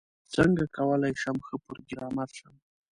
څنګه کولاي شم ښه پروګرامر شم؟